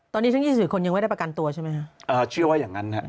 ตอนนี้๒๔คนยังไม่ได้ประกันตัวใช่ไหมฮะ